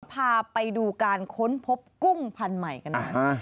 พาไปดูการค้นพบกุ้งพันธุ์ใหม่กันหน่อย